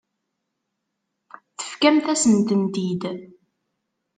Tefkamt-asent-ten-id.